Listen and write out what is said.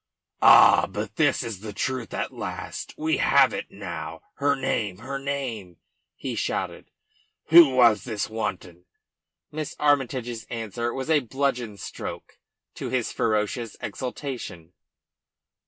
"Ah, but it is the truth at last. We have it now. Her name! Her name!" he shouted. "Who was this wanton?" Miss Armytage's answer was as a bludgeon stroke to his ferocious exultation.